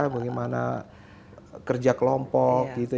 bagaimana kerja kelompok